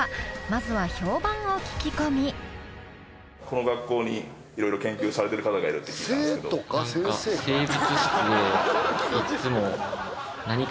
まずはこの学校にいろいろ研究されてる方がいるって聞いたんですけど。